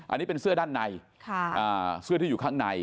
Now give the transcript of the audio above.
อันนี้เป็นเสื้อด้านในเสื้อที่อยู่ข้างใน